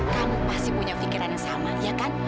kamu pasti punya pikiran yang sama ya kan